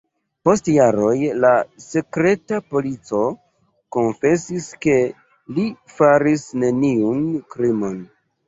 Post jaroj la sekreta polico konfesis, ke li faris neniun krimon.